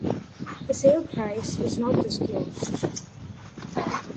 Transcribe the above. The sale price was not disclosed.